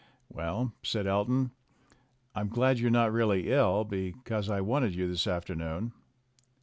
"Well," said Elton, "I'm glad you're not really ill, because I wanted you this afternoon."